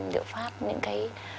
điệu pháp những cái